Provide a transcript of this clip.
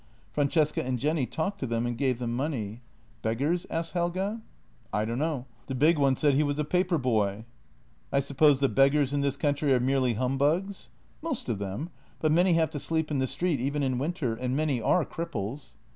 Francesca and Jenny talked to them and gave them money. " Beggars? " asked Helge. " I don't know — the big one said he was a paper boy." " I suppose the beggars in this country are merely hum bugs? "" Most of them, but many have to sleep in the street even in winter. And many are cripples."